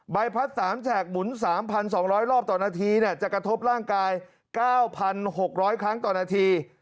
ใบพัด๓แฉกหมุน๓๒๐๐รอบต่อนาทีจะกระทบร่างกาย๙๖๐๐ครั้งต่อนาที